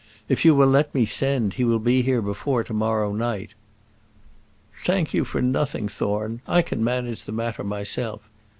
If you will let me send he will be here before to morrow night." "Thank you for nothing, Thorne: I can manage that matter myself.